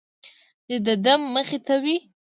چې د ده مخې ته وي.